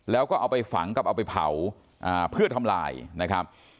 แล้วก็เอาไปฝังกับเอาไปเผาเพื่อทำลายนะครับ